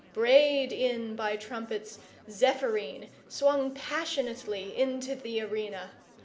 Brayed in by trumpets, Zephyrine swung passionately into the arena.